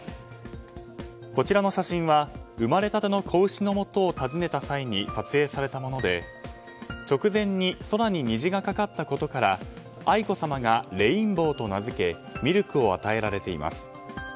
こちらの写真は生まれたての子牛のもとを訪ねた際に撮影されたもので直前に空に虹がかかったことから愛子さまがレインボーと名付けミルクを与えられています。